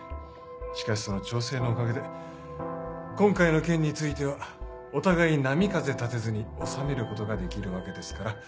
しかしその調整のおかげで今回の件についてはお互い波風立てずに収めることができるわけですから。